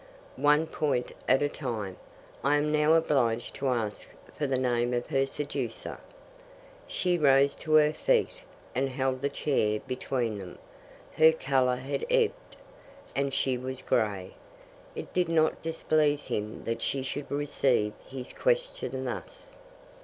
"One point at a time. I am now obliged to ask for the name of her seducer." She rose to her feet and held the chair between them. Her colour had ebbed, and she was grey. It did not displease him that she should receive his question thus.